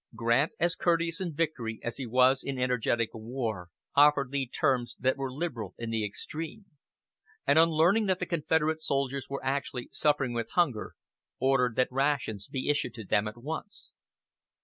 Grant, as courteous in victory as he was energetic in war, offered Lee terms that were liberal in the extreme; and on learning that the Confederate soldiers were actually suffering with hunger, ordered that rations be issued to them at once.